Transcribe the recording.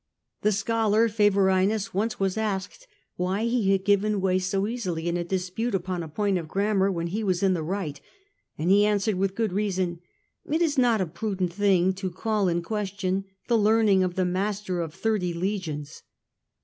The scholar Favorinus once was asked why he had given way so easily in powers, a dispute upon a point of grammar when he was in the right, and he answered with good reason, Mt is not a prudent thing to call in question the learning of the master of thirty legions.